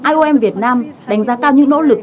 iom việt nam đánh giá cao những nỗ lực